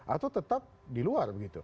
atau tetap di luar begitu